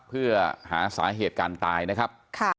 เพื่อหาสาเหตุการตายนะครับ